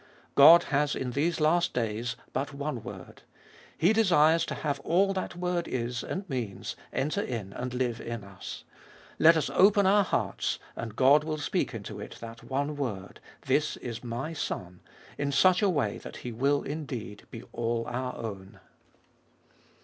God has in these last days but one Word. He desires to have all that Word is and means enter in and live in us. Let us open our hearts, and God will speak into it that one Word, This is My Son, in such a way that He will indeed be all our own.